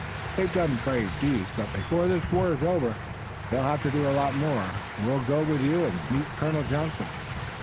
They've done brave deeds, but before this war is over they'll have to do a lot more. We'll go with you and meet Colonel Johnson."